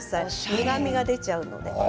苦みが出ちゃうので。